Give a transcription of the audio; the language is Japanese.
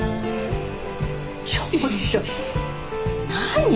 ちょっと何。